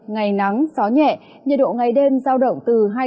ngày nắng gió nhẹ nhiệt độ ngày đêm giao động từ hai mươi bốn đến ba mươi ba độ